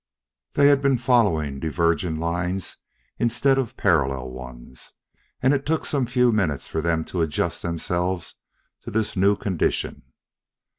They had been following diverging lines instead of parallel ones; and it took some few minutes for them to adjust themselves to this new condition.